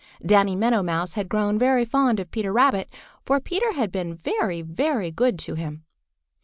Danny Meadow Mouse had grown very fond of Peter Rabbit, for Peter had been very, very good to him.